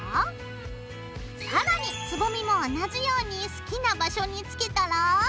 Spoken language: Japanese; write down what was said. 更につぼみも同じように好きな場所につけたら。